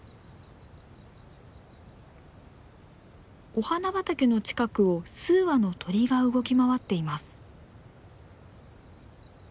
お花畑の近くを数羽の鳥が動き回っています。